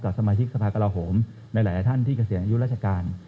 สมาชิกสภากราโหมในหลายท่านที่เกษียณอายุราชการ